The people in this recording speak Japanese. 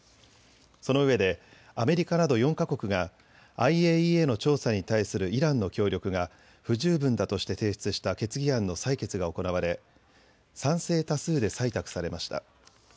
そのうえでアメリカなど４か国がＩＡＥＡの調査に対するイランの協力が不十分だとして提出した決議案の採決が行われ賛成多数で採択されました。